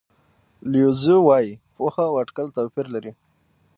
لیو زو وایي پوهه او اټکل توپیر لري.